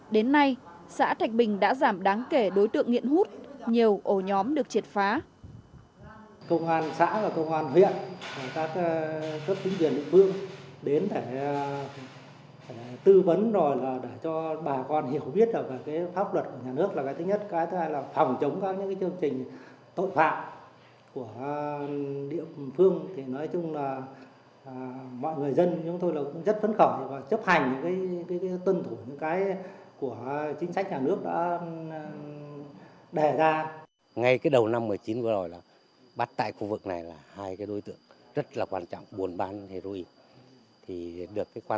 đến nay xã thạch bình đã giảm đáng kể đối tượng nghiện hút nhiều ổ nhóm được triệt phá